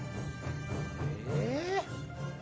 え？